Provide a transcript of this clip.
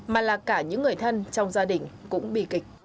mà là cả những người thân trong gia đình cũng bị kịch